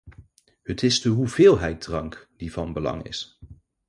Het is de hoeveelheid drank die van belang is.